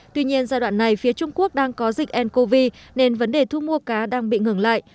tuy nhiên giai đoạn này phía trung quốc đang có dịch ncov nên vấn đề thu mua cá đang bị ngừng lại